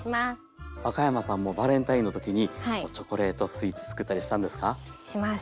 若山さんもバレンタインの時にチョコレートスイーツつくったりしたんですか？